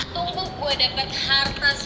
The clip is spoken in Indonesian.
tunggu gue dapet hartes